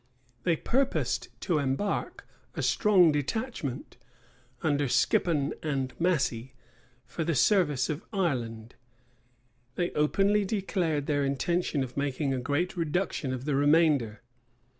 They purposed to embark a strong detachment, under Skippon and Massey, for the service of Ireland; they openly declared their intention of making a great reduction of the remainder.